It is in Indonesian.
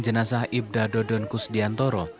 jenazah ibda dodon kusdiantoro